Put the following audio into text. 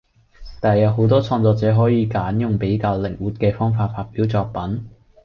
但係有好多創作者可以揀用比較靈活嘅方法發表作品